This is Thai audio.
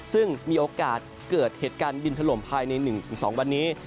ซึ่งมีโอกาสเกิดเหตุการณ์ดินถล่มภายใน๑๒วันนี้